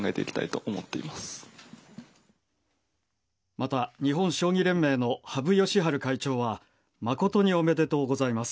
また、日本将棋連盟の羽生善治会長は誠におめでとうございます。